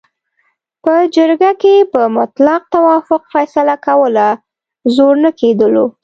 په جرګه کې به مطلق توافق فیصله کوله، زور نه کېدلو.